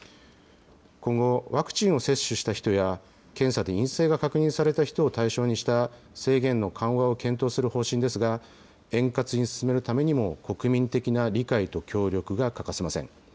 今後、ワクチンを接種した人や検査で陰性が確認された人を対象にした制限の緩和を検討する方針ですが、円滑に進めるためにも、国民的な理解と協力が欠かせません。